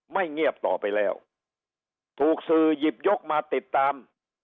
เงียบต่อไปแล้วถูกสื่อหยิบยกมาติดตาม